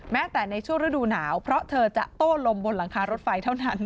แม้แต่ในช่วงฤดูหนาวเพราะเธอจะโต้ลมบนหลังคารถไฟเท่านั้น